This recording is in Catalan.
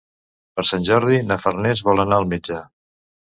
Per Sant Jordi na Farners vol anar al metge.